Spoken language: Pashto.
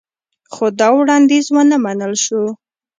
خو دا وړاندیز ونه منل شو